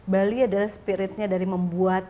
bali adalah spiritnya dari membuat